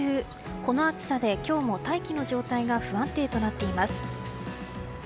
この暑さで今日も大気の状態が不安定となっています。